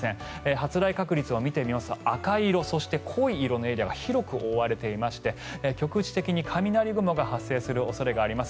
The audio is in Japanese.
発雷確率を見てみますと赤い色、そして濃い色のエリアに広く覆われていまして局地的に雷雲が発生する恐れがあります。